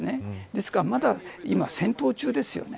ですが、まだ今戦闘中ですよね。